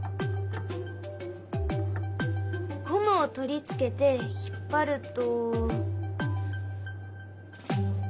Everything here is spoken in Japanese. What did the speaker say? ゴムを取り付けて引っ張ると。